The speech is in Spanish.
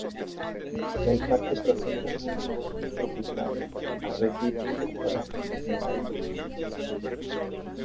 El parque protege algunos bosques tropicales, arrecifes de coral y humedales.